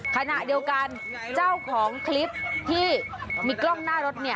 ขณะเดียวกันเจ้าของคลิปที่มีกล้องหน้ารถเนี่ย